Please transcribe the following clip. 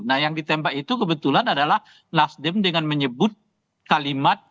nah yang ditembak itu kebetulan adalah nasdem dengan menyebut kalimat